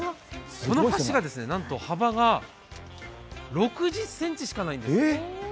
この橋がなんと幅が６０ｃｍしかないんです。